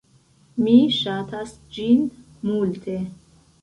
Mi ŝatas ĝin multe!